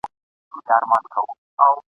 همېشه وي ګنډکپانو غولولی ..